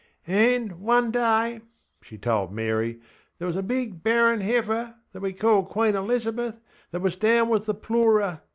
ŌĆśAnŌĆÖ, one day, ŌĆÖ she told Mary, ŌĆśthere was a big barren heifer (that we called Queen Elizabeth) that was down with the ploorer.